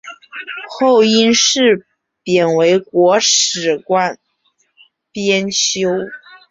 后因事贬为国史馆编修。